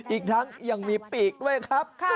อีกทั้งยังมีปีกด้วยครับ